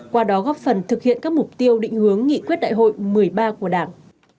qua đó góp phần thực hiện các mục tiêu định hướng nghị quyết đại hội một mươi ba của đảng